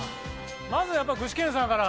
まずはやっぱり具志堅さんから。